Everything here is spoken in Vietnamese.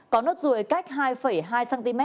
có nốt ruồi cách hai hai cm